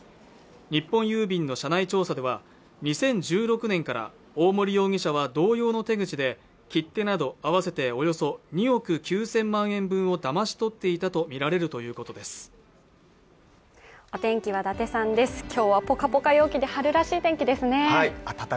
日本郵便の社内調査では２０１６年から大森容疑者は同様の手口で切手など合わせておよそ２億９０００万円分をだまし取っていたと見られるということです